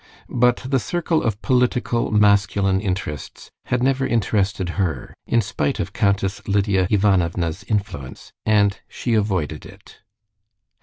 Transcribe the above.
But the circle of political, masculine interests had never interested her, in spite of countess Lidia Ivanovna's influence, and she avoided it.